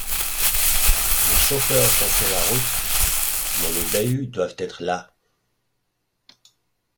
les chauffeurs sont sur la route. Mais les bahuts doivent être là.